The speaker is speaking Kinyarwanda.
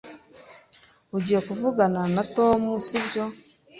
Ugiye kuvugana na Tom, sibyo?